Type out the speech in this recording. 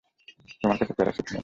তোমার কাছে প্যারাশ্যুট নেই!